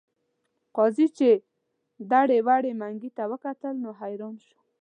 قاضي چې دړې وړې منګي ته وکتل نو حیران شو.